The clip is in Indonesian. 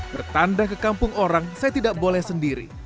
bertanda ke kampung orang saya tidak boleh sendiri